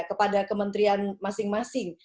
kepada kementerian masing masing